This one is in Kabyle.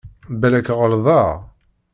Balak ɣelḍeɣ.